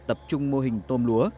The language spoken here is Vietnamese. tập trung mô hình tôm lúa